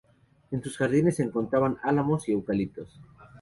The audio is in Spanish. En sus jardines se encontraban álamos y eucaliptos.